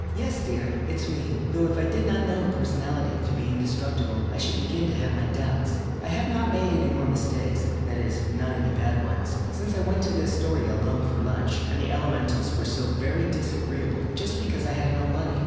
_) Yes, dear, it's me, though if I did not know personality to be indestructible I should begin to have my doubts. I have not made any more mistakes, that is, not any bad ones, since I went to the Astoria alone for lunch, and the elementals were so very disagreeable just because I had no money.